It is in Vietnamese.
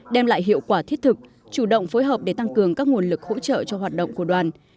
đem lại hiệu quả thiết thực chủ động phối hợp để tăng cường các nguồn lực hỗ trợ cho hoạt động của đoàn